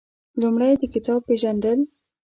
لومړی د کتاب پېژندل